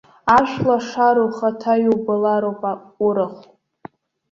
Ашәлашара ухаҭа иубалароуп урахә.